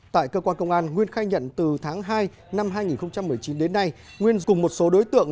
tại cơ quan công an nguyên khai nhận từ tháng hai năm hai nghìn một mươi chín đến nay nguyên cùng một số đối tượng